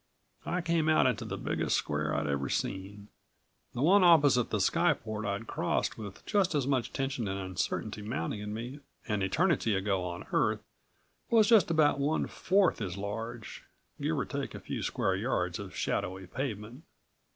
I came out into the biggest square I'd ever seen. The one opposite the skyport I'd crossed with just as much tension and uncertainty mounting in me an eternity ago on Earth was just about one fourth as large, give or take a few square yards of shadowy pavement.